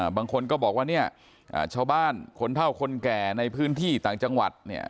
บางคนก็บอกว่าเนี่ยชาวบ้านคนเท่าคนแก่ในพื้นที่ต่างจังหวัดเนี่ย